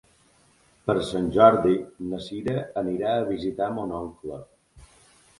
Per Sant Jordi na Sira anirà a visitar mon oncle.